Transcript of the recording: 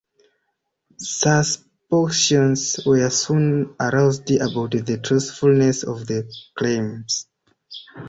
Suspicions were soon aroused about the truthfulness of the claims.